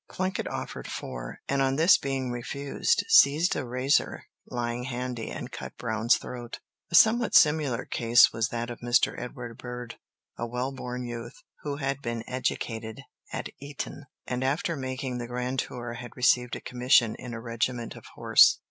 Plunkett offered four, and on this being refused, seized a razor lying handy and cut Brown's throat. A somewhat similar case was that of Mr. Edward Bird, a well born youth, who had been educated at Eton, and after making the grand tour had received a commission in a regiment of horse.